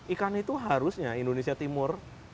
ikan itu harusnya indonesia timur